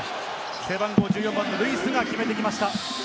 １４番のルイスが決めてきました。